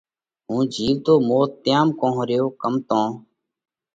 ھُون جيوتو موت تيام ڪونھ ريو ڪم تو